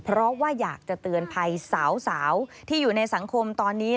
เพราะว่าอยากจะเตือนภัยสาวที่อยู่ในสังคมตอนนี้